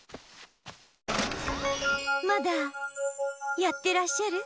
まだやってらっしゃる？